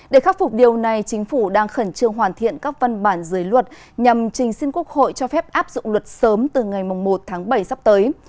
để khắc phục điều này chính phủ đang khẩn trương hoàn thiện các văn bản dưới luật nhằm trình xin quốc hội cho phép áp dụng luật sớm từ ngày một tháng bảy sắp tới